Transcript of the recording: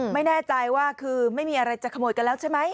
ไม่แน่ใจว่าคือไม่มีอะไรจะขโมยกันแล้วใช่ไหม